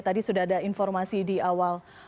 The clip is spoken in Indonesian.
tadi sudah ada informasi di awal